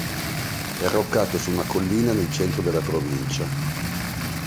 È arroccato su una collina nel centro della provincia.